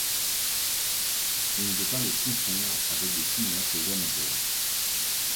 On ne peut pas les confondre avec des cinéastes amateurs.